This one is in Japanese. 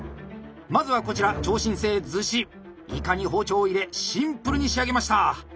まずはこちら超新星厨子イカに包丁を入れシンプルに仕上げました。